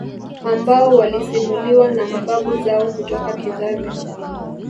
ambao walisimuliwa na mababu zao kutoka kizazi